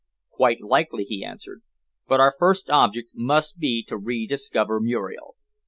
"Quite likely," he answered. "But our first object must be to rediscover Muriel.